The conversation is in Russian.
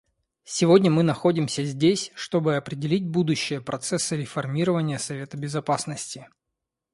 Сегодня мы находимся здесь, чтобы определить будущее процесса реформирования Совета Безопасности.